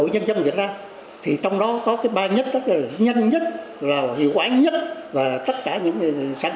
việt nam thì trong đó có cái ba nhất tất cả là nhanh nhất là hiệu quả nhất và tất cả những sản